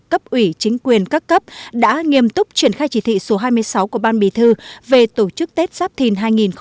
cấp ủy chính quyền các cấp đã nghiêm túc triển khai chỉ thị số hai mươi sáu của ban bì thư về tổ chức tết giáp thìn hai nghìn hai mươi bốn